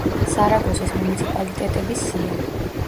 სარაგოსის მუნიციპალიტეტების სია.